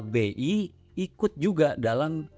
bi ikut juga dalam